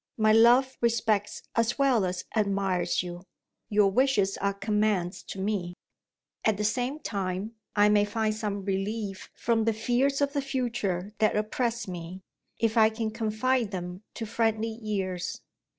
My love respects as well as admires you; your wishes are commands to me. At the same time, I may find some relief from the fears of the future that oppress me, if I can confide them to friendly ears.